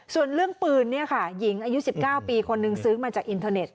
ส่วนเรื่องปืนเนี่ยค่ะหญิงอายุ๑๙ปีคนนึงซื้อมาจากอินเทอร์เน็ต